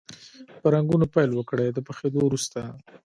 په رنګولو پیل وکړئ د پخېدو وروسته.